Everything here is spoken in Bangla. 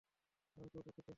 আমি খুব দুঃখিত, স্যার।